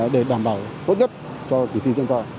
để đảm bảo tốt nhất cho kỳ thi trên trò